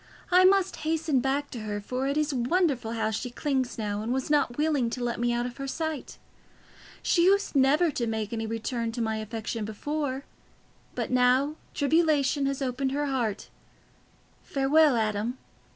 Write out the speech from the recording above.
"I must hasten back to her, for it is wonderful how she clings now, and was not willing to let me out of her sight. She used never to make any return to my affection before, but now tribulation has opened her heart. Farewell, Adam.